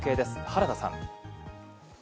原田さん。